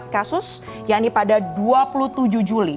tiga ratus tiga kasus yang ini pada dua puluh tujuh juli